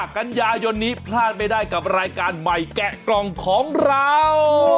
กันยายนนี้พลาดไม่ได้กับรายการใหม่แกะกล่องของเรา